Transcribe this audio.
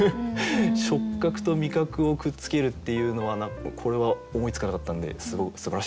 触覚と味覚をくっつけるっていうのはこれは思いつかなかったんですごくすばらしいと思いました。